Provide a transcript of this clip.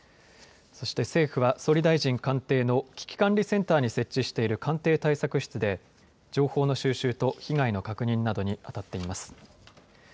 そして政府は総理大臣官邸の危機管理センターに設置している官邸対策室で情報の収集と被害の確認などにあたっています。